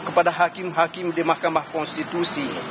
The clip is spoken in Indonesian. kepada hakim hakim di mahkamah konstitusi